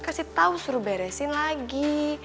kasih tahu suruh beresin lagi